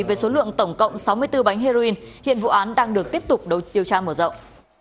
với số lượng tổng cộng sáu mươi bốn bánh heroin hiện vụ án đang được tiếp tục điều tra mở rộng